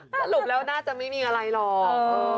สรุปแล้วน่าจะไม่มีอะไรหรอก